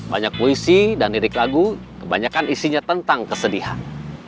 banyak puisi dan lirik lagu kebanyakan isinya tentang kesedihan